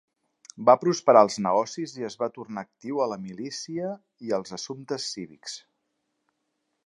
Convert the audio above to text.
Va prosperar als negocis i es va tornar actiu a la milícia i als assumptes cívics.